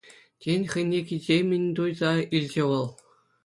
Тем хӑйне кичеммӗн туйса илчӗ вӑл.